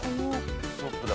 ストップだ。